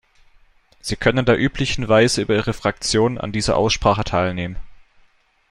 Sie können in der üblichen Weise über Ihre Fraktion an dieser Aussprache teilnehmen.